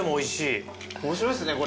面白いっすねこれね。